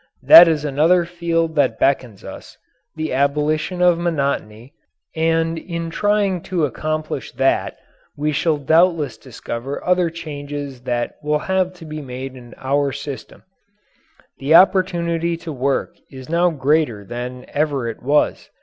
That is another field that beckons us the abolition of monotony, and in trying to accomplish that we shall doubtless discover other changes that will have to be made in our system. The opportunity to work is now greater than ever it was.